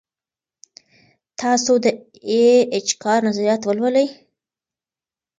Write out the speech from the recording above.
تاسو د ای اېچ کار نظریات ولولئ.